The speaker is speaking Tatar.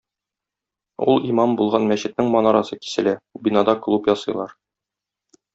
Ул имам булган мәчетнең манарасы киселә, бинада клуб ясыйлар.